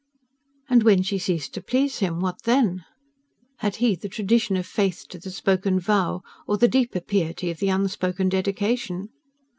And when she ceased to please him, what then? Had he the tradition of faith to the spoken vow, or the deeper piety of the unspoken dedication?